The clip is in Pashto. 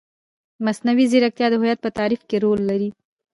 مصنوعي ځیرکتیا د هویت په تعریف کې رول لري.